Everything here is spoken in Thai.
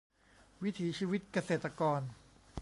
วิถีชีวิตเกษตรกร